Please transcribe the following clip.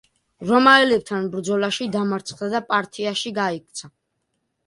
რომაელებთან ბრძოლაში დამარცხდა და პართიაში გაიქცა.